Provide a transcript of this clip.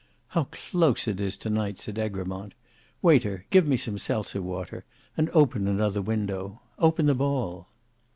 "How close it is to night!" said Egremont. "Waiter, give me some Seltzer water; and open another window; open them all."